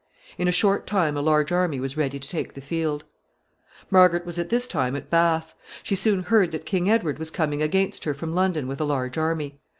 In a short time a large army was ready to take the field. [Sidenote: To Bath.] Margaret was at this time at Bath. She soon heard that King Edward was coming against her from London with a large army.